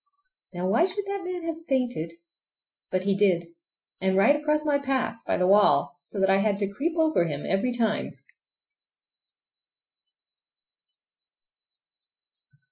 Now why should that man have fainted? But he did, and right across my path by the wall, so that I had to creep over him every time!